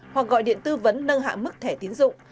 hoặc gọi điện tư vấn nâng hạ mức thẻ tiến dụng